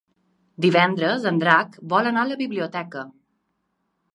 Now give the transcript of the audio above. Divendres en Drac vol anar a la biblioteca.